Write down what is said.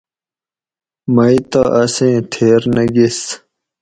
مئ تہ اسیں تھیر نہ گیس